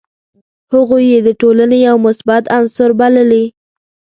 هغوی یې د ټولني یو مثبت عنصر بللي.